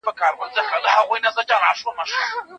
که د نورو په نظر تکیه وکړې، نو خپل استعداد به محدود پاتې شي.